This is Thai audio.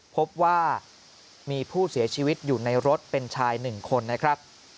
พบว่ามีผู้เสียชีวิตอยู่ในรถเป็นชาย๑คนนะครับ